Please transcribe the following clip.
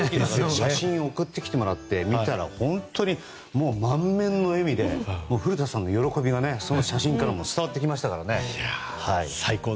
写真を送ってもらって見たら本当に満面の笑みで古田さんの喜びが写真からも伝わってきましたからね。